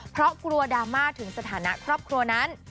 เพราะกลัวดราม่าถึงสถานะครอบครัวนั้น